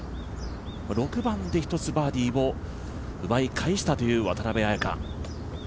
６番で１つバーディーを奪い返したという渡邉彩香。